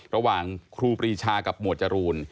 ระหว่างครูปรีชากับหมวดจรูน